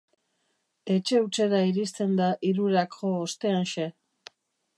Etxe hutsera iristen da hirurak jo osteanxe.